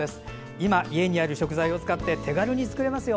今、家にある食材を使って手軽に作れますよ。